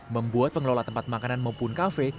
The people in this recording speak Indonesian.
membuat pengelola tempat makanan maupun kafe